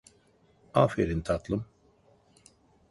Aferin tatlım.